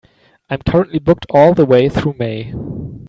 I'm currently booked all the way through May.